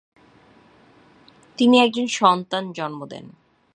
তিনি একজন সন্তান জন্ম দেন।